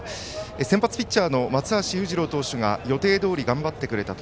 先発ピッチャーの松橋裕次郎投手が予定どおり頑張ってくれた。